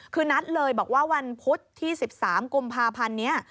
คือนัดเลยบอกว่าวันพุธที่๑๓กุมภาพันธ์นี้